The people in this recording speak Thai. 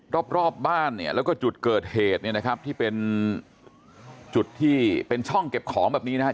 รอบรอบบ้านเนี่ยแล้วก็จุดเกิดเหตุเนี่ยนะครับที่เป็นจุดที่เป็นช่องเก็บของแบบนี้นะครับ